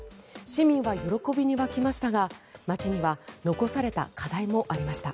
市民は喜びに沸きましたが街には残された課題もありました。